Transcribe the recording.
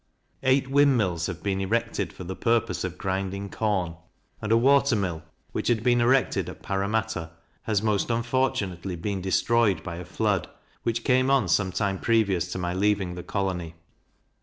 Eight wind mills have been erected for the purpose of grinding corn; and a water mill, which had been erected at Parramatta, has, most unfortunately, been destroyed by a flood, which came on some time previous to my leaving the colony.